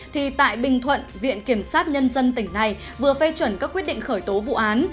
thì tại bình thuận viện kiểm sát nhân dân tỉnh này vừa phê chuẩn các quyết định khởi tố vụ án